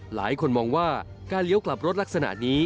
หลายคนมองว่าการเลี้ยวกลับรถลักษณะนี้